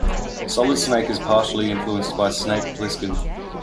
Solid Snake is partially influenced by Snake Plissken.